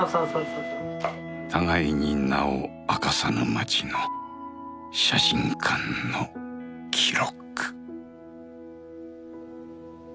互いに名を明かさぬ街の写真館の記録。